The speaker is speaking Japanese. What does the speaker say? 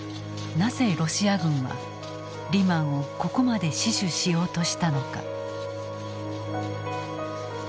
なぜロシア軍はリマンをここまで死守しようとしたのか。